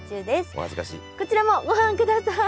こちらもご覧ください。